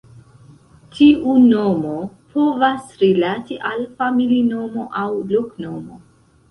Tiu nomo povas rilati al familinomo aŭ loknomo.